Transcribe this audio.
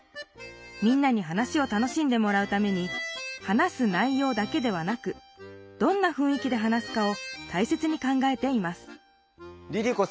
みんなに話を楽しんでもらうために話す内ようだけではなくどんなふんい気で話すかを大切に考えていますＬｉＬｉＣｏ